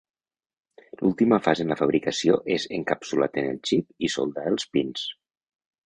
L'última fase en la fabricació és encapsulat en el xip i soldar els pins.